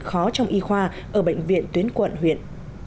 khó trong y khoa ở bệnh viện tuyến quận huyện